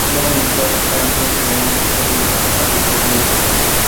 সেনাবাহিনীর সহায়তা ছাড়াই আন্দোলনকারীরা ইংলাকের পতন ঘটাতে পারবেন বলে মনে হচ্ছে।